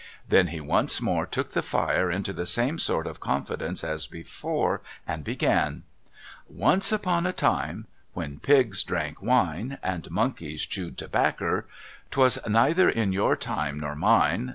Then he once more took the fire into the same sort of con fidence as before, and began :' Once upon a time, AVhen pigs drank wine, And monkeys chewed tobaccer, 'Twas neither in your tinie nor mine.